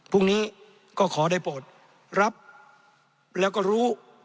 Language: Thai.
พรุ่งนี้ก็ขอได้โปรดรับแล้วก็รู้